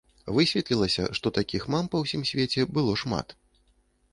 Высветлілася, што такіх мам па ўсім свеце было шмат.